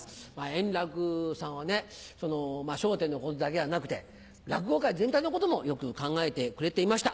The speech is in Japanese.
円楽さんは『笑点』のことだけじゃなくて落語界全体のこともよく考えてくれていました。